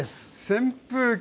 扇風機。